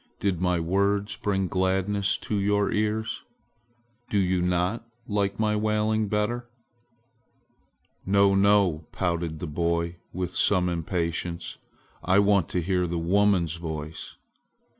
Did my words bring gladness to your ears? Do you not like my wailing better?" "No, no!" pouted the boy with some impatience. "I want to hear the woman's voice!